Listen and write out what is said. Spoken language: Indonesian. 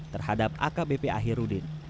terhadap akbp ahirudin